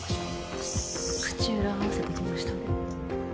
クッソ口裏合わせてきましたね